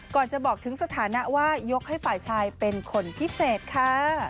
ก่อนจะบอกถึงสถานะว่ายกให้ฝ่ายชายเป็นคนพิเศษค่ะ